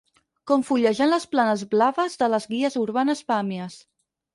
Com fullejant les planes blaves de les guies urbanes Pàmies.